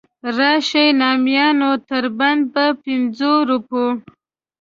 راشئ نامیانو تر بنده په پنځو روپو.